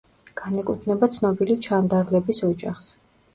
განეკუთვნება ცნობილი ჩანდარლების ოჯახს.